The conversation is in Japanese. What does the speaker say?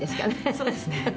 「そうですね。